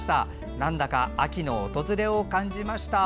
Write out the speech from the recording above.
なんだか秋の訪れを感じました。